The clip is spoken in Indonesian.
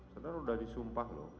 saudara sudah disumpah loh